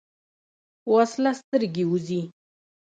وسله سترګې وځي